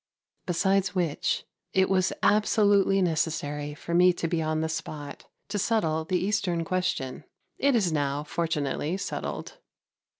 Besides which, it was absolutely necessary for me to be on the spot, to settle the Eastern Question. It is now fortunately settled.